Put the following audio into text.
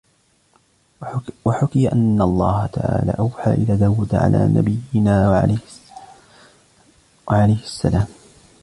وَحُكِيَ أَنَّ اللَّهَ تَعَالَى أَوْحَى إلَى دَاوُد عَلَى نَبِيِّنَا وَعَلَيْهِ السَّلَامُ